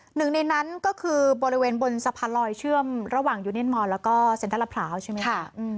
หนึ่งในนั้นก็คือบริเวณบนสะพานลอยเชื่อมระหว่างยูเนียนมอนแล้วก็เซ็นทรัลพร้าวใช่ไหมคะ